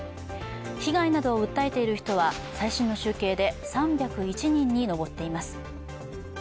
被害などを訴えている人は最新の集計で３０１人に上っています。